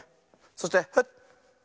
そしてフッ。